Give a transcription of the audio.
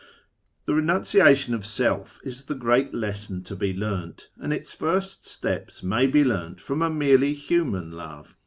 "^ The renunciation of self is the great lesson to be learned, and its first steps may be learned from a merely human love.